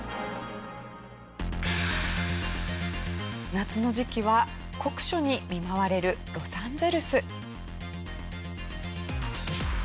夏の時期は酷暑に見舞われるロサンゼルス。